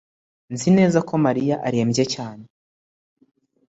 Nzi neza ko Mariya arembye cyane